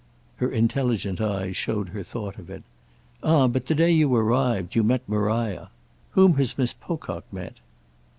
Her intelligent eyes showed her thought of it. "Ah but the day you arrived you met Maria. Whom has Miss Pocock met?"